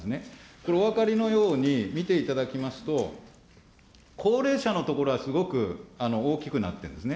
これ、お分かりのように、見ていただきますと、高齢者のところはすごく大きくなってるんですね。